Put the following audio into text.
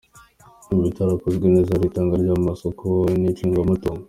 Mu bitarakozwe neza, hari itangwa ry’amasoko n’icungamutungo.